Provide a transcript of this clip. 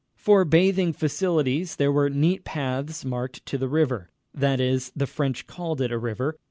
For bathing facilities, there were neat paths marked to the river. That is, the French called it a river.